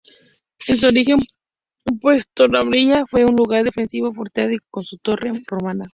En su origen pues Torralba fue un lugar defensivo fortificado con su torre romana.